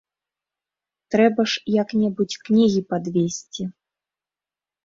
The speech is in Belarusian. Трэба ж як-небудзь кнігі падвесці.